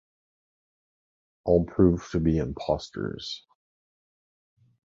All proved to be imposters.